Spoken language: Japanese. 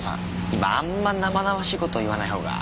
今あんま生々しい事言わない方が。